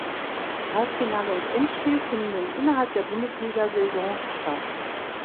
Halbfinale und Endspiel finden innerhalb der Bundesligasaison statt.